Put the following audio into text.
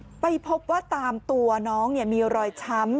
ไปพบว่าตามตัวน้องเนี่ยมีรอยช้ำ